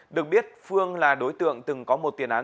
được biết phương là đối tượng từng có một tiền án